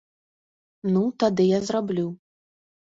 Ну, тады я зраблю.